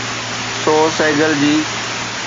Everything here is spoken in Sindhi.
سو سهگل جي.